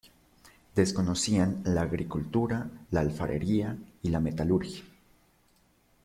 Desconocían la agricultura, la alfarería y la metalurgia.